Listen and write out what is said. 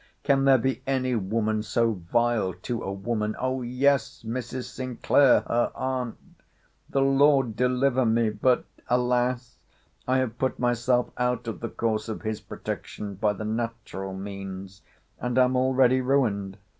—Can there be any woman so vile to a woman?—O yes!—Mrs. Sinclair: her aunt.—The Lord deliver me!—But, alas!—I have put myself out of the course of his protection by the natural means—and am already ruined!